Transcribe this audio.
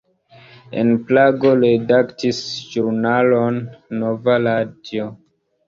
En Prago redaktis ĵurnalon "Nova radio".